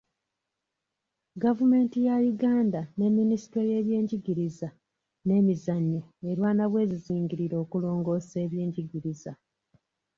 Gavumenti ya Uganda ne Minisitule y'ebyenjigiriza n'emizannyo erwana bweziringirire okulongoosa ebyenjigiriza.